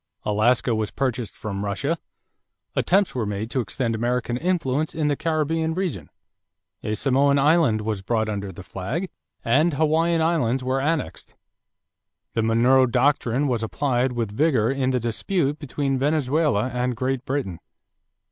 Alaska was purchased from Russia; attempts were made to extend American influence in the Caribbean region; a Samoan island was brought under the flag; and the Hawaiian islands were annexed. The Monroe Doctrine was applied with vigor in the dispute between Venezuela and Great Britain.